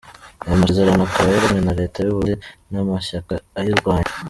Ayo masezerano akaba yarasinywe na Leta y’u Burundi n’iamashyaka ayirwanya.